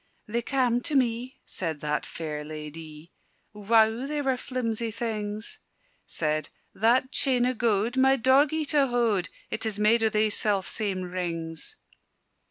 "They cam' to me," said that fair ladye. "Wow, they were flimsie things!" Said "that chain o' gowd, my doggie to howd, It is made o' thae self same rings."